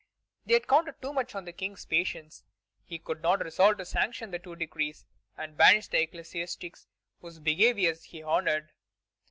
They had counted too much on the King's patience. He could not resolve to sanction the two decrees, and banish the ecclesiastics whose behavior he honored.